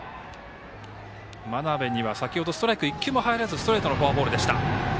真鍋には、先ほどストライク１球も入らずストレートのフォアボールでした。